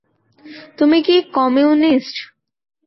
তুমি কি কমিউনিস্ট?